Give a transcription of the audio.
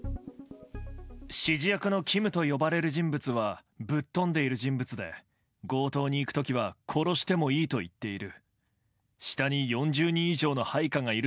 指示役のＫＩＭと呼ばれる人物は、ぶっ飛んでいる人物で、強盗に行くときは、殺してもいいと言っている。